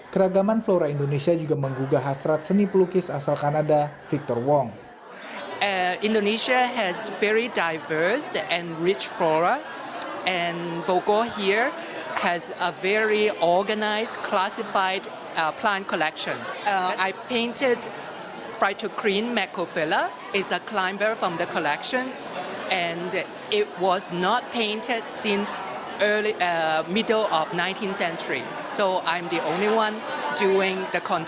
keragaman flora indonesia juga menggugah hasrat seni pelukis asal kanada victor wong